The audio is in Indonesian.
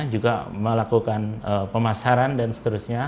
juga melakukan pemasaran dan seterusnya